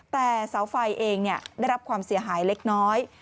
แต่เสาไฟเองได้รับความเสียหายเล็กน้อย